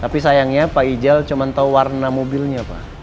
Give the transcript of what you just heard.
tapi sayangnya pak ijal cuman tau warna mobilnya pak